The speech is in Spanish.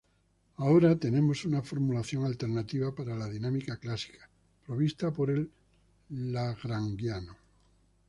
Ahora tenemos una formulación alternativa para la dinámica clásica, provista por el lagrangiano.